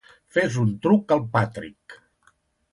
Fes un truc al Patrick.